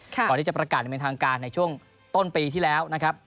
ก่อนที่จะประกาศอย่างเป็นทางการในช่วงต้นปีที่แล้วนะครับ